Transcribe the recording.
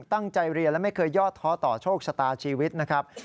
ตั้งใจเรียนและไม่เคยยอดท้อต่อโชคชะตาชีวิตนะครับ